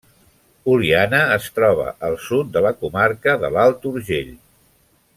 Oliana es troba al sud de la comarca de l'Alt Urgell.